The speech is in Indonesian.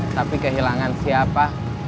tapi kehilangan siapa